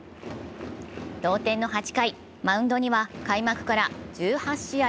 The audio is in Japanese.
同点の８回、マウンドには開幕から１８試合